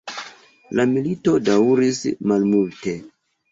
La milito daŭris malmulte.